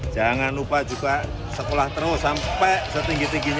jangan lupa juga sekolah terus sampai setinggi tingginya